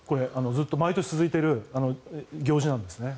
ずっと毎年続いている行事です。